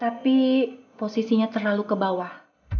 tapi posisinya terlalu ke bawah